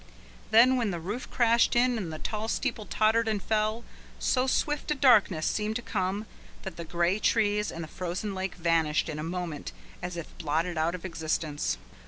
Then when the roof crashed in and the tall steeple tottered and fell, so swift a darkness seemed to come that the grey trees and the frozen lake vanished in a moment as if blotted out of existence.